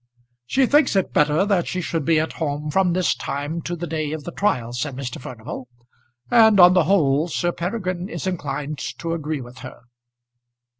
"She thinks it better that she should be at home from this time to the day of the trial," said Mr. Furnival; "and on the whole Sir Peregrine is inclined to agree with her."